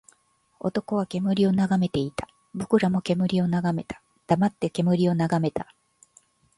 男は煙を眺めていた。僕らも煙を眺めた。黙って煙を眺めた。